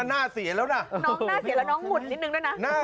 น้องหน้าเสียแล้วน้องหุ่นนิดนึงด้วยนะ